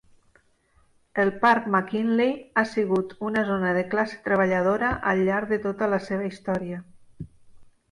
El parc McKinley ha sigut una zona de classe treballadora al llarg de tota la seva història.